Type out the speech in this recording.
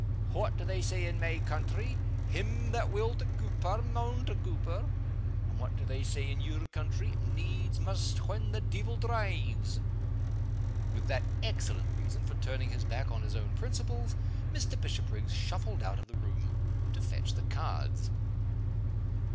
What do they say in my country? 'Him that will to Coupar, maun to Coupar.' And what do they say in your country? 'Needs must when the deevil drives.'" With that excellent reason for turning his back on his own principles, Mr. Bishopriggs shuffled out of the room to fetch the cards.